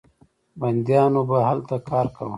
بندیانو به هلته کار کاوه.